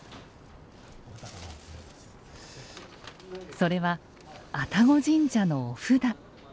それは愛宕神社のお札。